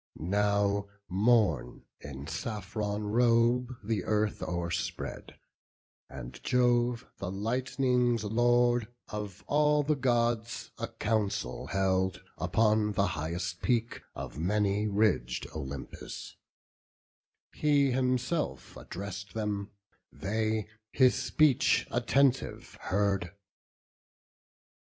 BOOK VIII. Now morn, in saffron robe, the earth o'erspread; And Jove, the lightning's Lord, of all the Gods A council held upon the highest peak Of many ridg'd Olympus; he himself Address'd them; they his speech attentive heard.